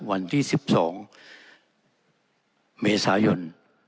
วันที่๑๒เมษายน